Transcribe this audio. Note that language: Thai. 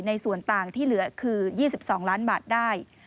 ในส่วนต่างที่เหลือคือ๒๒ล้านบาทได้